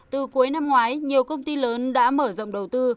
từ cuối năm ngoái nhiều công ty lớn đã mở rộng đầu tư